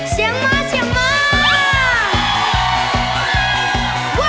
เสียงมาเสียงมา